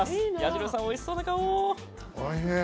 彌十郎さん、おいしそうな顔！